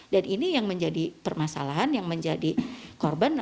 dan ini yang menjadi permasalahan yang menjadi korban